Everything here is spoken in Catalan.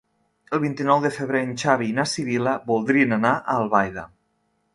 El vint-i-nou de febrer en Xavi i na Sibil·la voldrien anar a Albaida.